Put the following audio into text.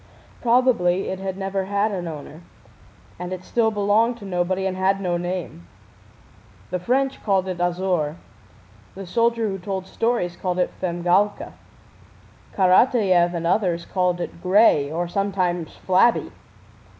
Probably it had never had an owner, and it still belonged to nobody and had no name. The French called it Azor; the soldier who told stories called it Femgálka; Karatáev and others called it Gray, or sometimes Flabby.